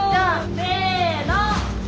せの！